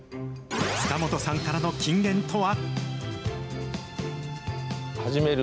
塚本さんからの金言とは。